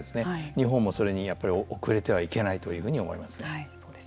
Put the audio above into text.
日本もそれにおくれてはいけないというふうに思います。